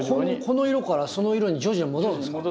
この色からその色に徐々に戻るんですか？